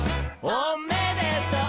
「おめでとう！」